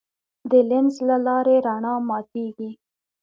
د لینز له لارې رڼا ماتېږي.